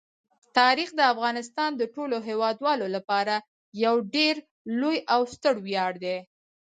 تاریخ د افغانستان د ټولو هیوادوالو لپاره یو ډېر لوی او ستر ویاړ دی.